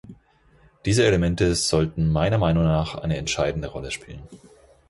Diese Elemente sollten meiner Meinung nach eine entscheidende Rolle spielen.